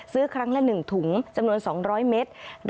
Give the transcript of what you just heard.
ซื้อครั้งละ๑ถุงจำนวน๒๐๐เมตร